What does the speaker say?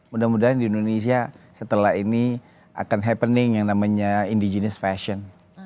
mudah mudahan di indonesia setelah ini akan happening yang namanya indigenous fashion